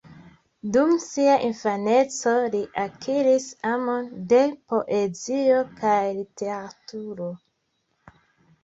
Dum sia infaneco li akiris amon de poezio kaj literaturo.